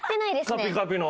カピカピの。